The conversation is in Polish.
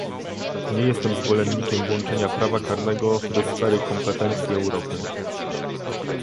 Nie jestem zwolennikiem włączenia prawa karnego do sfery kompetencji Europy